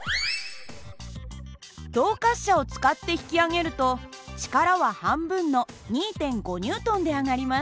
動滑車を使って引き上げると力は半分の２．５Ｎで上がります。